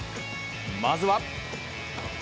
まずは。